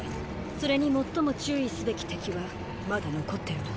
それに最も注意すべき敵はまだ残ってるわ。